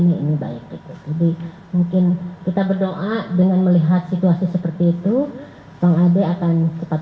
ini baik gitu jadi mungkin kita berdoa dengan melihat situasi seperti itu bang ade akan cepat